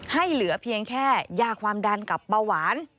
ให้เหลือเพียงแค่ยาความดันกับเบาหวาน